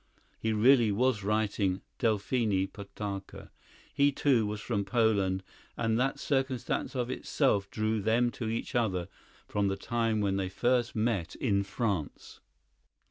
He really was writing "Delphine Potocka." He, too, was from Poland, and that circumstance of itself drew them to each other from the time when they first met in France.